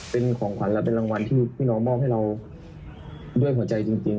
เป็นของขวัญและเป็นรางวัลที่พี่น้องมอบให้เราด้วยหัวใจจริง